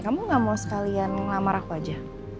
kamu gak mau sekalian ngelamar aku aja